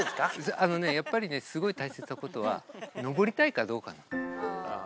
あのね、やっぱりすごい大切なことは、登りたいかどうか。